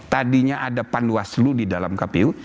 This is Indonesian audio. tadinya ada panwaslu di dalam kpu